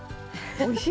おいしい！